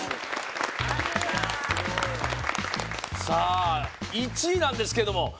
さあ１位なんですけども。